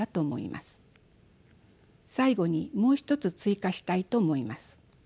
最後にもう一つ追加したいと思います。